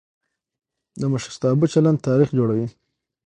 د مشرتابه چلند تاریخ جوړوي